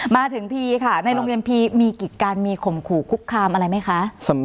มาถึงพีค่ะในโรงเรียนพีมีกิจการมีข่มขู่คุกคามอะไรไหมคะ